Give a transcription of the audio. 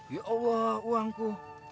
ya allah uangku